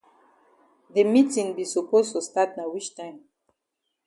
De meetin be suppose for stat na wich time.